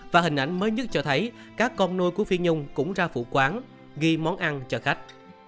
và hình ảnh mới nhất cho thấy các con nuôi của phi nhung cũng ra phụ quán ghi món ăn cho khách